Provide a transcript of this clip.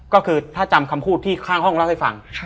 ก็คือถ้าจำคำพูดที่ข้างห้องเล่าให้ฟัง